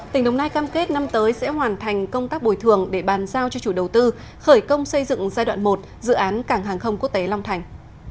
tỉnh đồng nai cam kết năm tới sẽ hoàn thành công tác bồi thường để bàn giao cho chủ đầu tư khởi công xây dựng giai đoạn một dự án cảng hàng không quốc tế long thành